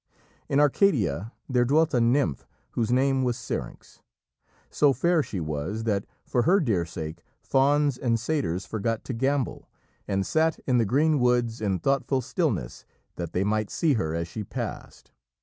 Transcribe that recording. In Arcadia there dwelt a nymph whose name was Syrinx. So fair she was that for her dear sake fauns and satyrs forgot to gambol, and sat in the green woods in thoughtful stillness, that they might see her as she passed.